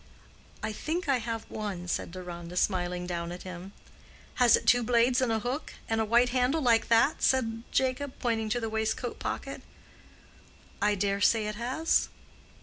"I think I have one," said Deronda, smiling down at him. "Has it two blades and a hook—and a white handle like that?" said Jacob, pointing to the waistcoat pocket. "I dare say it has."